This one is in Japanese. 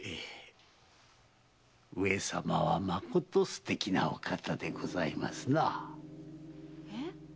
上様はまこと素敵なお方でございますなあ。